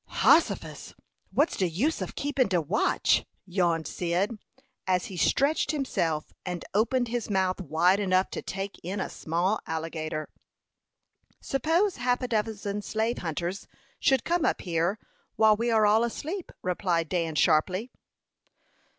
"Hossifus! What's de use of keepin de watch?" yawned Cyd, as he stretched himself, and opened his mouth wide enough to take in a small alligator. "Suppose half a dozen slave hunters should come up here while we are all asleep!" replied Dan, sharply.